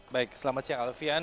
baik selamat siang alfian